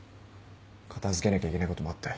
片付けなきゃいけないこともあって。